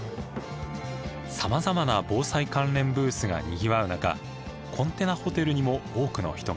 さまざまな防災関連ブースがにぎわう中コンテナホテルにも多くの人が。